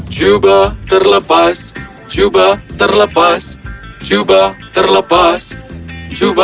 cuba terlepas cuba terlepas cuba terlepas cuba